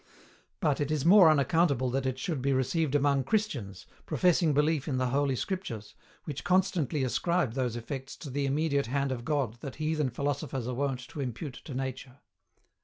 But, it is more unaccountable that it should be received among Christians, professing belief in the Holy Scriptures, which constantly ascribe those effects to the immediate hand of God that heathen philosophers are wont to impute to Nature.